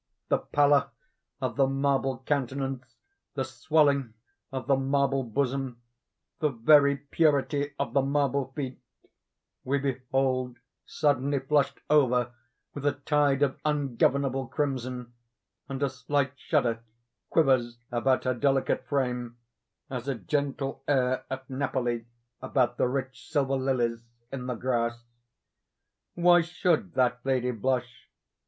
The pallor of the marble countenance, the swelling of the marble bosom, the very purity of the marble feet, we behold suddenly flushed over with a tide of ungovernable crimson; and a slight shudder quivers about her delicate frame, as a gentle air at Napoli about the rich silver lilies in the grass. Why should that lady blush!